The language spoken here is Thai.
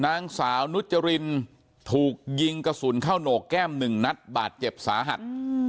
นางสาวนุจรินถูกยิงกระสุนเข้าโหนกแก้ม๑นัดบาดเจ็บสาหัส